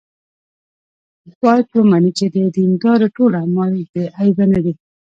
باید ومني چې د دیندارو ټول اعمال بې عیبه نه دي.